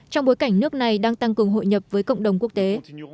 trong bối cảnh nước này đang tăng cường hội nhập với cộng đồng quốc tế